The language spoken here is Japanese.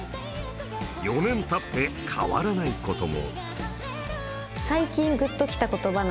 ４年たって変わらないことも。